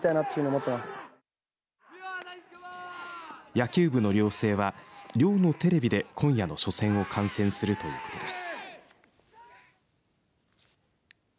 野球部の寮生は寮のテレビで、今夜の初戦を観戦するということです。